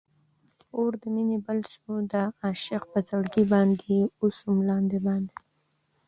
اور د مینی بل سو د عاشق پر زړګي باندي، اوسوم لاندی باندي